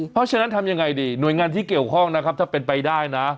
เพราะฉะนั้นทำยังไงดีหน่วยงานที่เกี่ยวข้องนะครับถ้าเป็นไปได้นะ